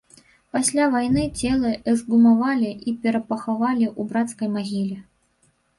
Пасля вайны целы эксгумавалі і перапахавалі ў брацкай магіле.